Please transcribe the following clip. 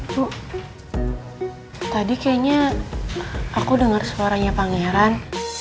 bu tadi kayaknya aku dengar suaranya pangeran